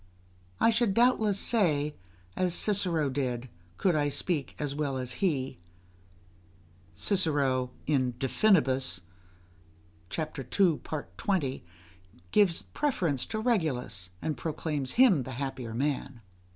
I should doubtless say, as Cicero did, could I speak as well as he. [Cicero, De Finibus, ii. 20, gives the preference to Regulus, and proclaims him the happier man.